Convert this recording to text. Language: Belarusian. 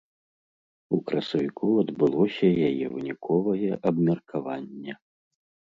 У красавіку адбылося яе выніковае абмеркаванне.